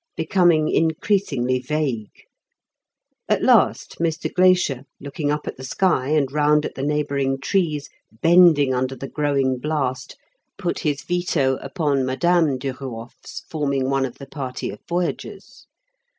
becoming increasingly vague. At last Mr. Glaisher, looking up at the sky and round at the neighbouring trees bending under the growing blast, put his veto upon Madame Duruof's forming one of the party of voyagers.